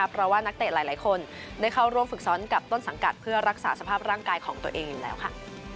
เพราะว่านักเตะหลายคนได้เข้าร่วมฝึกซ้อนกับต้นสังกัดเพื่อรักษาสภาพร่างกายของตัวเองอยู่แล้วค่ะ